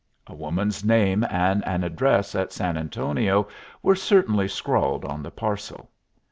A woman's name and an address at San Antonio were certainly scrawled on the parcel.